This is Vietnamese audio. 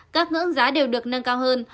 các ngưỡng giá đều được nâng cao hơn